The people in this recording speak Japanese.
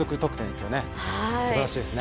すばらしいですね。